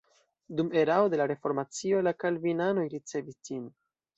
Dum erao de la reformacio la kalvinanoj ricevis ĝin.